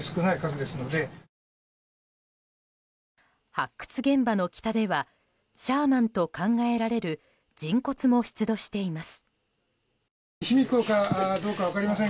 発掘現場の北ではシャーマンと考えられる人骨も出土しています。